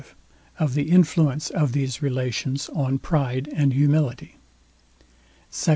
V OF THE INFLUENCE OF THESE RELATIONS ON PRIDE AND HUMILITY SECT.